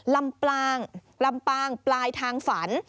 ลำปางปลายทางฝัน